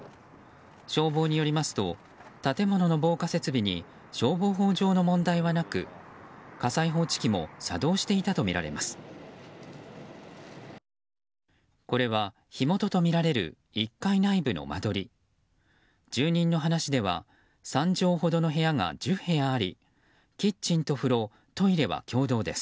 消防によりますと建物の防火設備に消防法上の問題はなく火災報知機も作動していたとみられます。